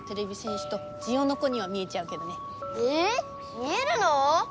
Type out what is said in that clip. ⁉見えるの？